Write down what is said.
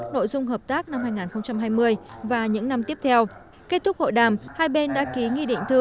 lúc nãy chủ tịch đã đảm bảo rất nhiều điều